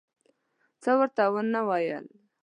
څه ورته ونه ویل.